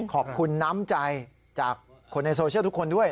ขอบคุณน้ำใจจากคนในโซเชียลทุกคนด้วย